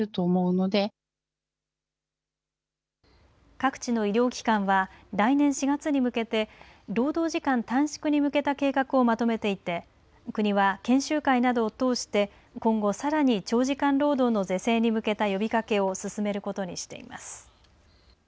各地の医療機関は来年４月に向けて労働時間短縮に向けた計画をまとめていて国は、研修会などを通して今後、さらに長時間労働の是正に向けた呼びかけを進めることにしています。